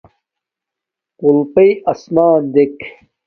قُلپݵ اَسمݳن دیک.